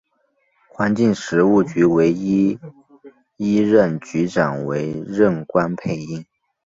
环境食物局唯一一任局长为任关佩英。